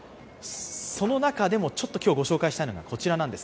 その中でも今日ご紹介したいのがこちらです。